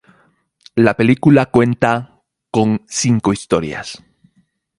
La película cuenta con cinco historias.